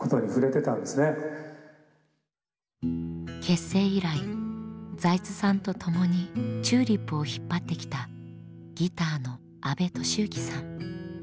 結成以来財津さんと共にＴＵＬＩＰを引っ張ってきたギターの安部俊幸さん。